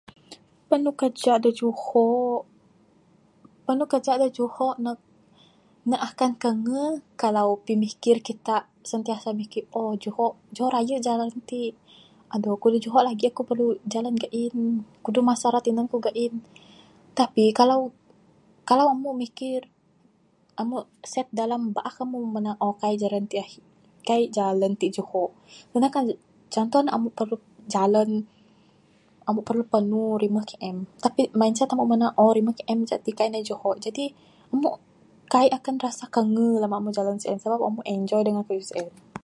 Panu kaja dak juho panu kaja dak juho ndek ne akan kange kalau pimikir kita sentiasa mikir oh.. juho juho raya jalan t, ado kuduh juho lagi ku perlu jalan gein, kuduh masa ira tinan ku gein. Tapi kalau kalau amu mikir amu set dalam baak amu menang oh.. kai jeran t kai jalan t juho contoh amu perlu jalan amu panu lima KM tapi mindset amu menang oh.. lima KM saja t kai ne juho t jadi amu kai akan rssa kange lema mu jalan sien, sabab amu enjoy dengan keyuh sien.